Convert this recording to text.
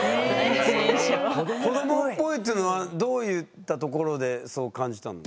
子どもっぽいっていうのはどういったところでそう感じたの？